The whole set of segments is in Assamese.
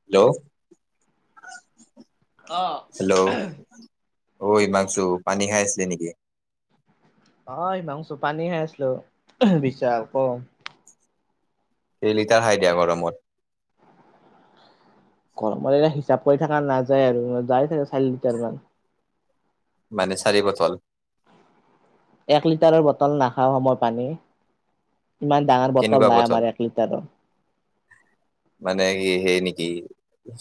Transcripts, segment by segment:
হেল্ল' আহ ঐ মাংচু পানী খাই আছিলে নেকি? অ মাংচু পানী খাই আছিলো বিচাৰ ক কেই লিটাৰ খাই দিয়া গৰমত, গৰমত এয়া হিচাপ কৰি থকা নাযায় আৰু যায় থাকে চাৰি লিটাৰ মান। মানে চাৰি বটল। এক লিটাৰৰ বটল নাখাওঁ সম পানী। ইমান ডাঙৰ বটল নাই আমাৰ এক লিটাৰৰ। [inaudible] মানে কি সেই নেকি!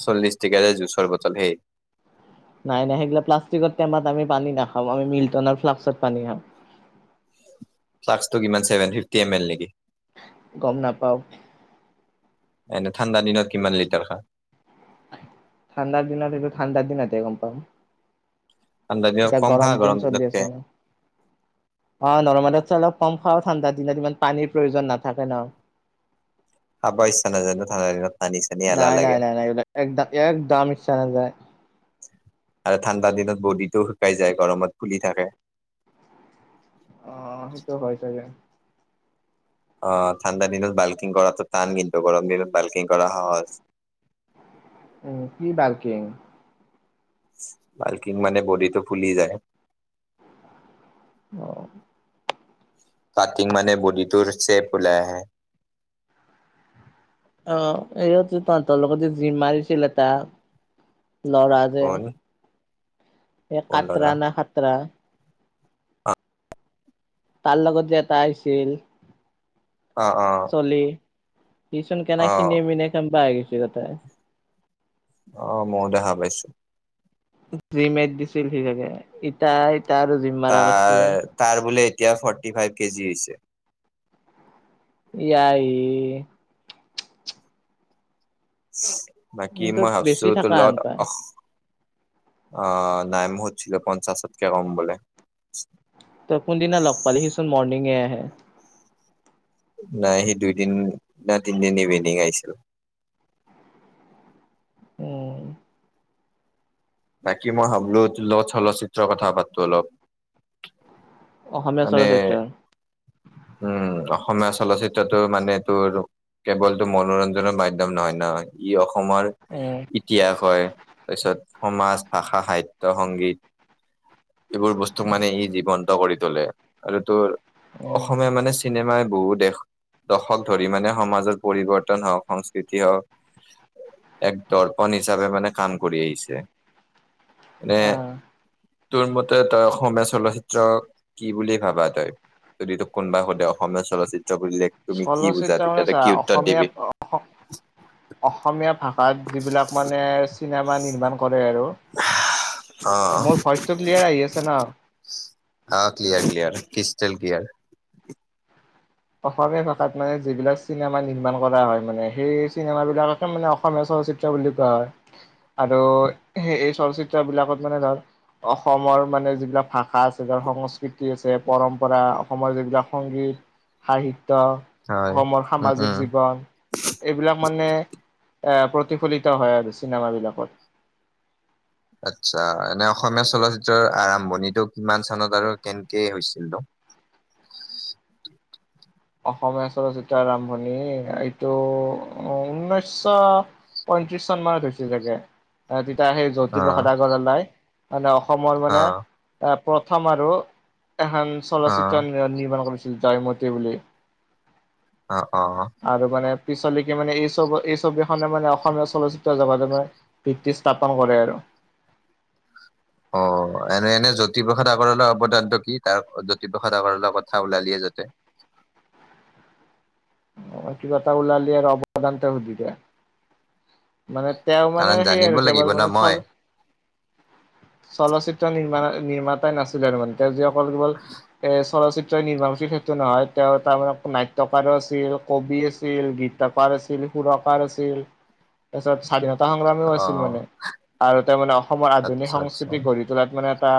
চল্লিশ টিকাৰে জুচৰ বটল হেই নাই নাই সেইগিলা প্লাষ্টিকৰ টেমাত আমি পানী নাখাম, আমি মিল্টনৰ ফ্লাক্মত পানী খাম। ফ্লাক্মটো কিমান ছেভেন ফিফটি এম এল নেকি? গম নাপাওঁ। এনেই ঠাণ্ডা দিনত কিমান লিটাৰ খা ঠাণ্ডাৰ দিনত এইটো ঠাণ্ডাৰ দিনতে গম পাম। ঠাণ্ডা দিনত এতিয়া কম খা গৰম দিন চলি দিনতকে আছে ন? অ', নৰমেলতছে অলপ কম। খাও ঠাণ্ডা দিনত ইমান পানীৰ প্ৰয়োজন নাথাকে ন? খাব ইচ্ছা নাযায় ন ঠাণ্ডা দিনত পানী চানী এলাহ নাই, নাই, লাগে নাই, নাই, এইবিলাক একদ একদম ইচ্ছা নাযায়। আৰু ঠাণ্ডা দিনত বডিটো শুকাই যায় গৰমত ফুলি থাকে। অ', সেইটো হয় চাগে। অ', ঠাণ্ডা দিনত বাল্কিং কৰাটো টান কিন্তু গৰম দিনত বাল্কিং কৰা সহজ। [inaudible] উ, কি বালকিং? বাল্কিং মানে বডিটো ফুলি যায়। অ'। পাটিং মানে বডিটোৰ চেপ ওলাই আহে। অ', এইৱত তহঁতৰ লগতে জিম মাৰিছিল এটা। ল'ৰা যে? কোন এ, কলডৰা কাতৰা নে খাতৰা। তাৰ লগত যে এটা আহিছিল। অ', অ'। চলি সিচোন অ কেনেখিনি [unintelligible] পাই কিছু কথা। অ', মও দেখা পাইছো। জি মেট দিছিল সি চাগে। ইতাইত তাৰ, তাৰ বোলে এতিয়া ফৰ্টি ফাইভ কেজি হৈছে। ইআইই। বাকী তোক মই বেছি ভাবছোঁ থকা হেন তোৰলগত, পাই অস অ', নাই মোহতছিলে পঞ্চাছতকে কম হবলে। তই কোনদিনা লগ পালি? সিচোন মৰ্নিংয়ে আহে। নাই সি দুইদিন নাই তিনিদিন ইভিনং আহিছিল। উম বাকী মই ভাবলো চলচ্চিত্ৰৰ কথা পাতো অলপ অসমীয়া আ চলচিত্ৰ উম অসমীয়া চলচিত্ৰটো মানে তোৰ কেৱলতটো মনোৰঞ্জনৰ মাধ্যম নহয় ন ই অসমৰ উম ইতিহাস হয় তাৰপিছত সমাজ ভাষা সাহিত্য সংগীত এইবোৰ বস্তুক মানে ই জীৱন্ত কৰি লে আৰু তোৰ উম অসমীয়া মানে চিনেমা বহু দেশ দশক ধৰি মানে সমাজৰ পৰিৱৰ্তন হওঁক, সংস্কৃতি হওঁক। এক দৰ্পণ হিচাপে মানে কাম কৰি আহিছে। মানে অ'। তোৰ মতে তই অসমীয়া চলচিত্ৰক কি বুলি ভাবা তই? যদি তোক কোনোবা সোধে অসমীয়া চলচিত চলচিত্ৰ মানে চা, উত্তৰ দিবি অসমীয়াত অস অসমীয়া ভাষাত যিবিলাক মানে চিনেমা নিৰ্মাণ কৰে আৰু অ'। অ', মোৰ ভইচটো ক্লিয়াৰ আহি আছে ন? Clear, clear. ক্ৰিষ্টষ্টেল গিয়াৰ অসমীয়া ভাষাত মানে যিবিলাক চিনেমা নিৰ্মাণ কৰা হয় মানে সেই চিনেমা বিলাককে মানে অসমীয়া চলচিত্ৰ বুলি কোৱা হয় আৰু স এই চলচিত্ৰ বিলাকত মানে ধৰ অসমৰ মানে যিবিলাক ভাষা আছে ধ সংস্কৃতি আছে পৰম্পৰা অসমৰ যিবিলাক সংগীত সাহিত্য হয় অসমৰ উম সামাজিক উম জীৱন এইবিলাক মানে এ প্ৰতিফলিত হয় আৰু চিনেমাাবলাকত আচ্ছা এনে অসমীয়া চলচিত্ৰৰ আৰম্ভণিটো কিমান চানত আৰু কেনেকে হৈছিলো [inaudible] অসমীয়া চলচিতা আৰম্ভণি এইটো উনৈশশ পয়ত্ৰিশ চন মানত হৈছে চাগে এয়া সেই অ জ্যোতিপ্ৰসাদ আগৰৱালাই মানে অসমৰ মানে অ এ প্ৰথম আৰু এখন চলচিত্ৰ অ', নিৰ্মাণ কৰিছিল জয়মতি বুলি অ অ অ আৰু মানে পিছলৈকে মানে এই চব এই ছবিখনে মানে অসমীয়া চলচ্চিত্ৰ জগতে মানে ভিত্তি স্থাপন কৰে আৰু উ অ এনে এনে জ্যোতিপ্ৰসাদ আগৰালৰ অৱদানটো কি তাৰ জ্যোতিপ্ৰসাদ আগৰৰ কথা ওলালিয়ে তাতে অ কিবাটা ওলালি আৰ অৱদান তা শুধি দিয়া। মানে তেওঁ মানে কাৰণ সেই জানিব আৰু কেৱল লাগিব ন মানে চ মই চলচিত্ৰ নিৰ্মাণ। নিৰ্মাতাই নাছিলে আৰু মানে তেওঁ যিসকল কেৱল এ চলচিত চয় নিৰ্মাণ কৰিছিল সেইটো নহয় তেওঁ তাৰ নাট্যকাৰৰ ছিল, কবি আছিল, গীতাকাৰ আছিল সুৰকাৰ আছিল তাৰপিছত স্বাধীনত তা সংগ্ৰামীও আছিল অ', মানে আৰু তেওঁ মানে অসমৰ আধুনিক আচ্ছা আচ্ছা সংস্কৃতি গঢ়ি তোলাত মানে টা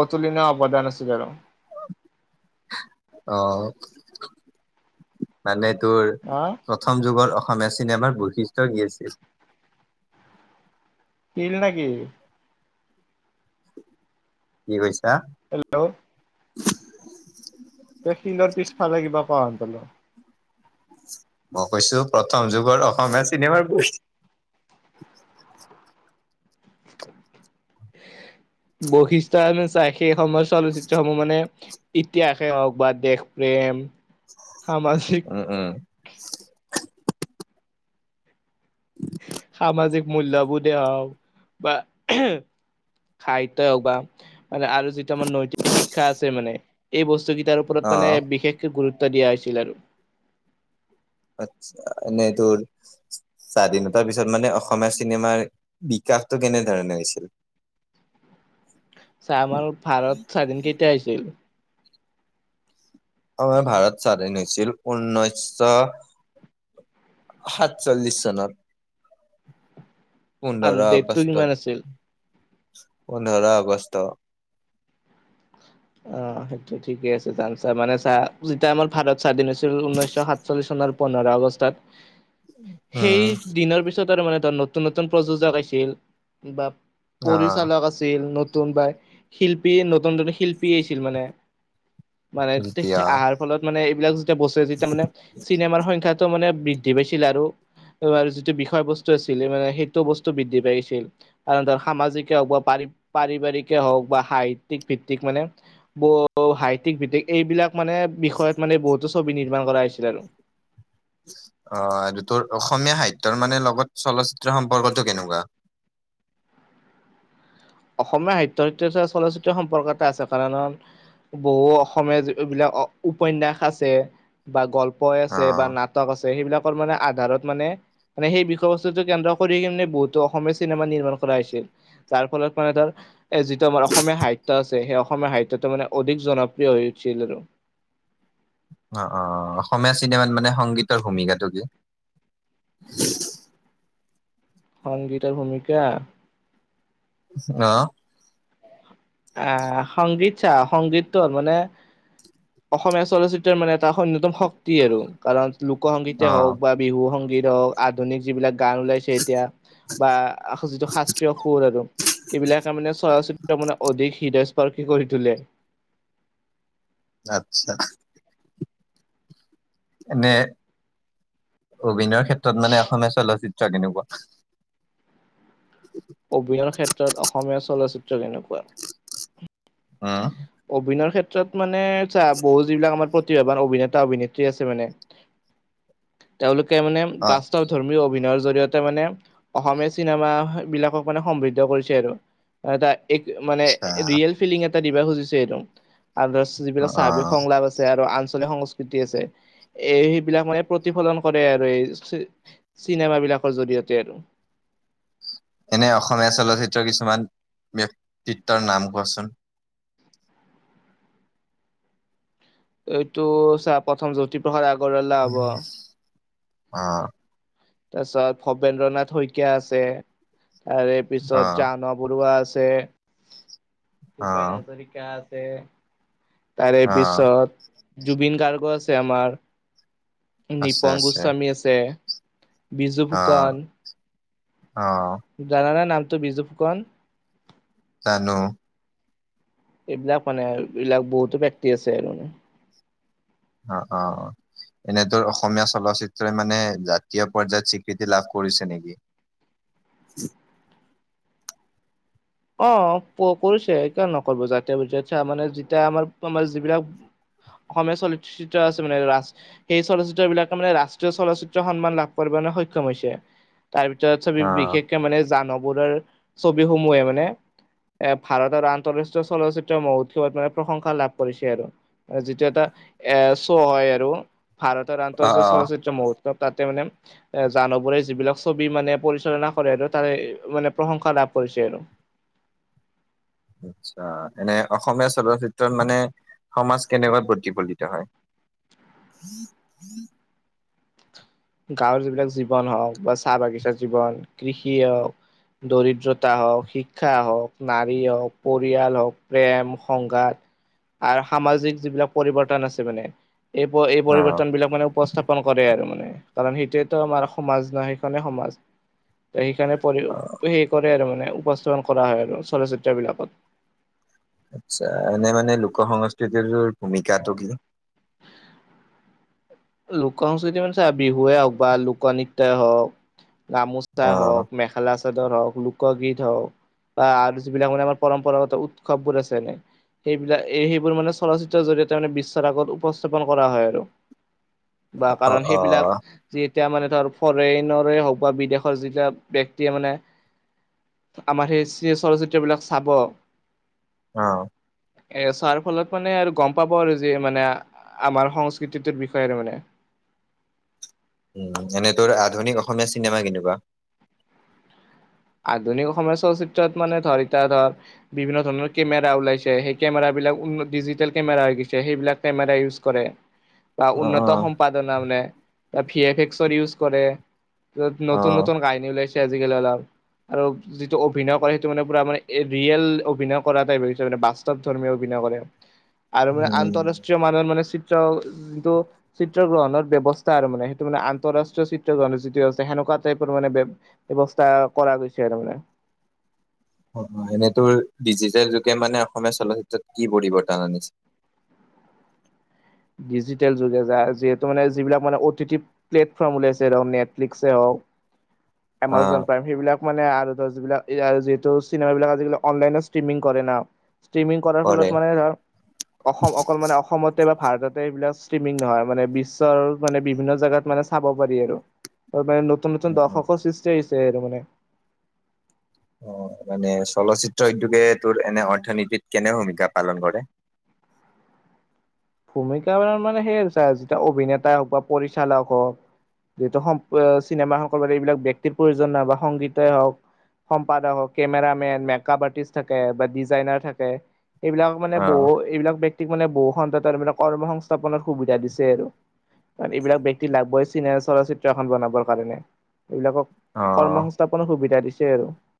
অতুলিনিয় অৱদান আছিল আৰু। অ মানেত তোৰ হা প্ৰথম যুগৰ অস অসমীয়া চিনেমাৰ বৈশিষ্ট্য কি আছিল? কিন নেকি? কি কৈছা? হেল্ল' [inaudible] তে শিলৰ পিছফালে কিবা কোৱা শুনি পালো। মই কৈছো প্ৰথম যুগৰ অসমীয়া চিনেমাৰ বৈ বৈশিষ্ট্য আনু চাই সে অসমৰ চলচিত্ৰসমূহ মানে ইতিহাসে হওক বা দেশ প্ৰেম সামাজিক উম উম সামাজিক মূল্যবোধে হওক বা খাইত হক বা মানে আৰু যিটো আানাৰ নৈতিক শিক্ষা আছে মানে এই বস্তু কেইটাৰ ওপৰত মানে অ', বিশেষকে গুৰুত্ব উত্য দিয়া হৈছিল আৰু এনেই তোৰ স্বাধীনতাৰ পিছত মানে অসমীয়া চিনেমাৰ বিকা কাপটো কেনে ধৰণে হৈছিল ছা আমাৰ ভাৰত স্বাধীন কেতিয়া হৈছিল? আমাৰ ভাৰত স্বাধীন হৈছিল ঊনৈশ সাতচাল্লিছ চনত। পোন্ধৰ আৰু ডেটটো কিমান আগষ্টত। আছিল পোন্ধৰ আগষ্ট। অ, সেইটো ঠিকে আছে জানচা মানে চা যেতিয়া আমাৰ ভাৰত স্বাধীন হৈছিল ঊনৈশ সাতচল্লিছ চন আপোনাৰ পোন্ধৰ আগষ্টত সেই উম দিনৰ পিছত আৰু মানে ত' নতুন-নতুন প্ৰযোজক আগিছিল বা আহ পৰিচালক আছিল নত নতুন বা শিল্পী নতুন নতুন শিল্পী আহছিল মানে মানে এতিয়া আহাৰ ফলত মানে এইবিলাক যেতিয়া বচে যেতিয়া মানে চিনেমাৰ সংখ্যাটো মানে বৃদ্ধি পাইছিল আৰু যিটো বিষয় বস্তু আছিলে মানে সেইটো বস্তু বৃদ্ধি পাইছিল কাৰ ধৰ সামাজিকে হওক বা পাৰি পাৰিবাৰিকে হওক বা সাহিত্যিক ভিত্তিক মানে সাহিতিক ভিত্তিক এইবিলাক মানে বিষয়ত মানে বহুতো ছবি নিৰ্মাণ কৰা হৈছিল আৰু আহ তোৰ অসমীয়া সাহিত্যৰ মানে লগত চলচ্চিত্ৰ সম্পৰ্কটো কেনেকুৱা? অসমীয়া সাহিত্য যে চলচিত্ৰ সম্পৰ্ক এটা আছে কাৰণ বহু অসমীয়া বিলাক উপন্যয়াস আছে বা গল্প কৈ অ আছে বা নাটক আছে সেইবিলাকৰ মানে আধাৰত মানে মানে সেই বিষয় বস্তুটো কেন্দ্ৰ কৰি কিনে বহুতো অসমীয়া চিনেমা নিৰ্মাণ কৰাছিল যাৰ ফলত মানে তাৰ এ যিটো আমাৰ অসমীয়া সাহিত্য আছে সেই অসমীয়া সাহিত্যটো মানে অধিক জনপ্ৰিয় হৈ উঠিল আৰু অ অহ অসমীয়া চিনেমাত মানে সংগীতৰ ভূমিকাটো কি? [unintelligible] সংগীতৰ ভূমিকা অহ আহ সংগীত ছা সংগীতটো হৰ মানে অসমীয়া চলচ্চিত্ৰৰ মানে এটা অন্যতম শক্ত শক্তি আৰু কাৰণ লোক সংগীতে অ হওক বা বিহু সংগীত হওক আধুনিক যিবিলাক গান ওলাইছে এতিয়া বা যিটো শাস্ত্ৰীয় সুৰ আৰু এইবিলাকে মানে চলচিত্ৰ মানে হৃদয় স্পৰ্শ কৰি তোলে আতছা এনে অভিনয়ৰ ক্ষেত্ৰত মানে অসমীয়া চলচিত্ৰ কেনেকুৱা অভিনয়ৰ ক্ষেত্ৰত অসমীয়া চলচ্চিত্ৰ কেনেকুৱা অহ অভিনয়ৰ ক্ষেত্ৰত মানেছা বহুত যিবিলাক আমাৰ যি অভিনেতা অভিনেত্ৰী আছে মানে তেওঁলোকে মানে অ বাস্তৱ ধৰ্মীয় অভিনয়ৰ যদি জৰিয়তে মানে অসমীয়া চিনেমা বিলাকক মানে সমৃদ্ধ কৰিছে আৰু ত এক মানে আচ্ছা ৰিয়েল ফিলিং এটা দিব খুজিছে একদম অ [unintelligible] অ স্বাভাৱিক সংলাপ আছে আৰু লতে সংস্কৃতি আছে, এই সেইবিলাক মানে প্ৰতিফলন কৰে আৰু এই চিনেমা বিলাক বিলাকৰ জৰিয়তে আৰু। [inaudible] এনে অসমীয়া চলচ্চিত্ৰৰ কিছুমান ব্যক্তিত্বৰ নাম কোৱাচোন? এইটো চা প্ৰথম জ্যোতিপ্ৰসাদ আগৰৱালা হ'ব। অঁ তাৰপিছত ভবেন্দ্ৰ নাথ শইকীয়া আছে, তাৰে অ পিছত জাহ্ন বৰুৱা আছে আছে অ ভূপেন হাজৰিকা আছে তাৰে অ পিছত জুবিন গাৰ্গো আছে আমাৰ আছে নিপন আছে গোস্বামী আছে বিজু অ ফুকন অ জানানা নামটো বিজু ফুকন জানো এইবিলাক মানে এইবিলাক বহুতো ব্যত্তি আছে আৰু মানে অ অ অ এনেটো অসমীয়া চলচ্চিত্ৰই মানে জাতীয় পৰ্যায়ত স্বীকৃতি লাভ কৰিছে নেকি? [inaudible] অ' কৰিছে, কিয় নকৰিব, জাতীয় ব মানে যেতিয়া আমাৰ আমাৰ যিবিলাক অসমীয়া চলচ্চিত্ৰ আছে, মানে সেই চলচ্চিত্ৰ বিলাকে মানে ৰাষ্ট্ৰীয় চলচিত্ৰ সন্মান লাভ কৰিব মানে সক্ষম হৈছে তাৰ ভিতৰত ছবি অ বিশেষকে মানে জাহ্নু বৰুৱাৰ ছবিসমূহে। মানে [inaudible] এ ভাৰতৰ আৰু আন্তৰাষ্ট্ৰীয় চলচিত্ৰ মহোৎসৱত মানে প্ৰশংসা লাভ কৰিছে আৰু। যিটো এটা এ' শ্ব' হয় আৰু, ভাৰতৰ অ আন্তঃৰাষ্ট্ৰীয় অ চলচিত্ৰ মহোৎ তাতে মানে এ জাহ্নু বৰুৱাৰ যিবিলাক ছবি মানে পৰিচালনা কৰে আৰু তাৰে মানে প্ৰশংসা লাভ কৰিছে আৰু। আচ্ছা, এনে অসমীয়া চলচিত্ৰত মানে সমাজ কেনেকৈ প্ৰতিফলিত হয়? গাঁৱৰ যিবিলাক জীৱন হওক বা চাহ বাগিচাৰ জীৱন কৃষি হওক দৰিদ্ৰতা হওক শিক্ষা হওক নাৰী হওক পৰিয়াল হওক প্ৰেম সংঘাত আৰু সামাজিক যিবিলাক পৰিৱৰ্তন আছে মানে এই এই অ পৰিৱৰ্তন বিলাক মানে উপস্থাপন কৰে আৰু মানে কাৰণ সেইটোৱেতো আমাৰ সমাজ নহয় সেইখনে সমাজ সেইখনে পৰি অ সেই খনে আৰু মানে। উপস্থাপন কৰা হয় আৰু চলচিত্ৰ বিলাকত। আচ্ছা এনে মানে লোক সংস্কৃতিৰ ভূমিকাটো কি? লোক সংস্কৃতি মানে চা বিহুৱে হওক বা লোকনৃত্যই হওক গামোচা অ হওক মেখেলা চাদৰ হওক লোকগীত হওক বা আৰু যবিলাক মানে আৰু পৰম্পৰাগত উৎসৱ বোৰ আছে এনেই সেইবিলাক সেইবোৰ মানে চলচিত্ৰৰ জৰিয়তে মানে বিশ্বৰ আগত উপস্থাপন কৰা হয় আৰু। বা অ কাৰণ অ সেইবিলাক যি এতিয়া মানে ধৰ ফৰেইনৰে হওক বা বিদেশৰ যেতিয়া ব্যক্তিয়ে মানে আমাৰ সেই চলচিত্ৰবিলাক চাব অ' এ চোৱাৰ ফলত মানে আৰু গম পাব আৰু যে মানে আমাৰ সংস্কৃতিটোৰ বিষয়ে আৰু মানে। এনে তোৰ আধুনিক অসমীয়া চিনেমা কেনেকুৱা? আধুনিক অসমৰ চলচিত্ৰত মানে ধৰ এতিয়া ধৰ বিভিন্ন ধৰণৰ কেমেৰা ওলাইছে, সেই কেমেৰা বিলাক ডিজিটেল কেমেৰা হৈ গৈছে, সেইবিলাক কেমেৰা ইউজ কৰে। বা অ অ উন্নত সম্পাদনা মানে ভি এফ এক্সৰ ইউজ কৰে টোত অ নতুন নতুন কাহিনী ওলাইছে আজিকালি অলপ। আৰু যিটো অভিনয় কৰে সেইটো মানে পুৰা মানে ৰিয়েল অভিনয় কৰা টাইপ হৈছে মানে বাস্তৱ ধৰ্মীয় অভিনয়। হ'ব পাৰে, আৰু মানে উম আন্তঃৰাষ্ট্ৰীয় মানৰ মানে চি ত্ৰ যিটো চিত্ৰ গ্ৰহণৰ ব্যৱস্থা আৰু মানে সেইটো মানে আন্তঃৰাষ্ট্ৰীয় চিত্ৰ গ্ৰহৰ যিটো ব্যৱস্থা সেনেকুৱা তাতে মানে বেব ব্যৱস্থা কৰা গৈছে আৰু মানে। এনেতো ডিজিটেল যুগে মানে অসমীয়া চলচ্চিত্ৰত কি পৰিৱৰ্তন আনিছে। [inaudible] ডিজিটেল যুগে যা-যিহেতু মানে যিবিলাক মানে অটি টি প্লেটফৰ্ম উলাইছে ধৰক নেটফ্লিক্সে হওঁক। [unintelligible] এমাজ'ন প্ৰাইম সেইবিলাক মানে [inaudible] যিহেতু চিনেম বিলাক আজি অনলাইনে ষ্ট্ৰিমিং কৰে ন ষ্ট্ৰিমিং কৰাৰ কৰে। ফলত মানে ধৰ অসম অকল মানে অসমতে বা ভাৰততে এইবিলাক ষ্ট্ৰিমিং নহয়, মানে বিশ্বৰ মানে বিভিন্ন জোগাত মানে চাব পাৰি আৰু। নতন নতুন দৰ্শকৰ সৃষ্টি হৈছে আৰু মানে। অ' মানে চলচ্চিত্ৰ উদ্যোগে তোৰ এনে অৰ্থনীতিত কেনে ভূমিকা পালন কৰে? [inaudible] ভূমিকা মানে সেইয় হৈছে যেতিয়া অভিনেতাই হওক বা পৰিচালক হওক যিহেতু স চিনেমাসকল এইবিলাক ব্যক্তিৰ প্ৰয়োজন নাই বা সংগীতেই হওঁক। সম্পাদকক, কেমেৰা মেন, মেকআপ আৰ্টিষ্ট থাকে বা ডিজাইনাৰ থাকে। এইবিলাক মানে অ বহু এইবিলাক ব্যক্তিক মানে বহু সন্ততাৰ মানে কৰ্ম সংস্থাপনৰ সুবিধা দিছে আৰু। কাৰণ এইবিলাক ব্যক্তি লাগবই চিনে চলচিত্ৰ এখন বনাবৰ কাৰণে। এইবিলাকক অ কৰ্ম সংস্থাপনৰ সুবিধা দিছে আৰু।